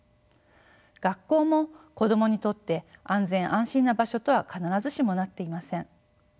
学校も子どもにとって安全・安心な場所とは必ずしもなっていません。